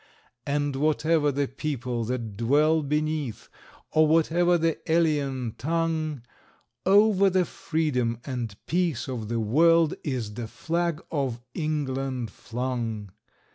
And whatever the people that dwell beneath, Or whatever the alien tongue, Over the freedom and peace of the world Is the flag of England flung.